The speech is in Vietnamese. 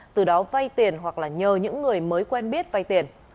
từ đó vay tiền hoặc là nhờ những người mới quen biết vay tiền